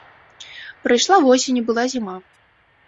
Прайшла восень, і была зіма.